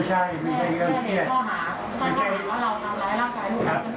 ไม่ใช่ไม่ใช่เรื่องเครียดต้องความรักว่าเราทำร้ายร่างกาย